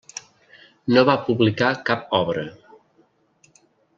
No va publicar cap obra.